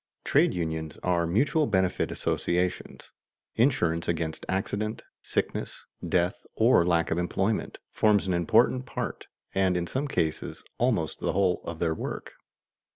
Trade unions are mutual benefit associations: insurance against accident, sickness, death, or lack of employment, forms an important part, and in some cases almost the whole of their work.